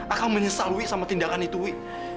akang menyesal wi sama tindakan itu wi